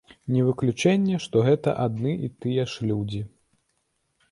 Не выключэнне, што гэта адны і тыя ж людзі.